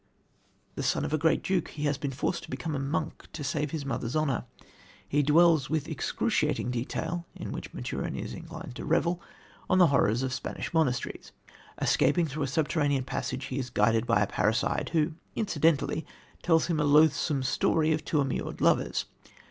The son of a great duke, he has been forced to become a monk to save his mother's honour. He dwells with the excruciating detail in which Maturin is inclined to revel, on the horrors of Spanish monasteries. Escaping through a subterranean passage, he is guided by a parricide, who incidentally tells him a loathsome story of two immured lovers.